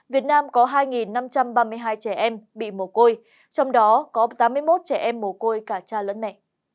việt nam có hai năm trăm ba mươi hai trẻ em bị mổ côi trong đó có tám mươi một trẻ em mổ côi cả cha lớn mẹ